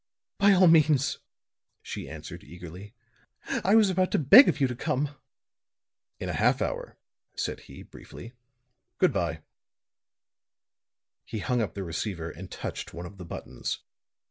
"By all means," she answered, eagerly. "I was about to beg of you to come." "In a half hour," said he, briefly. "Good by." He hung up the receiver and touched one of the buttons.